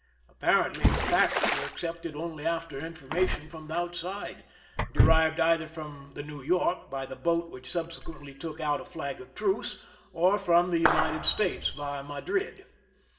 Apparently the facts were ac cepted only after information from the outside, derived either from the New York by the boat which subsequently took out a flag of truce, or from the United States via Madrid.